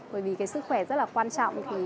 bởi vì cái sức khỏe rất là quan trọng